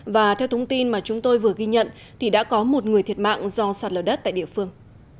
và theo thông tin mà chúng tôi vừa ghi nhận thì đã có một người thiệt mạng do sạt lở đất tại địa phương